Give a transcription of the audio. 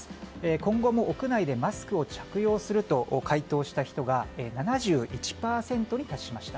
今後も屋内でマスクを着用すると回答した人が７１％に達しました。